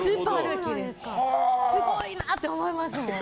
すごいな！って思いますもん。